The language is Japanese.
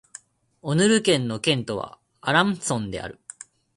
オルヌ県の県都はアランソンである